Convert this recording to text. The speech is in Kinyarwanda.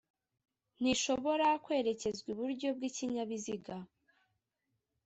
ntishobora kwerekezwa iburyo bw'ikinyabiziga.